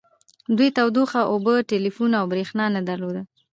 دوی تودوخه اوبه ټیلیفون او بریښنا نه درلوده